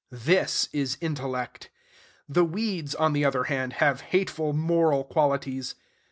This is intellect. The weeds, on the other hand, have hateful moral qualities.